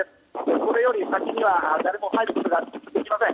これより先には誰も入ることができません。